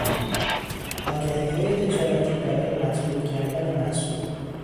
آگهیهای تجارتی برای مطلوب کردن محصول